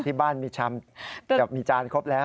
ที่บ้านมีชามจะมีจานครบแล้ว